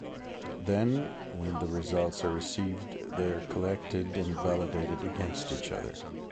Then, when the results are received, they are collected and validated against each other.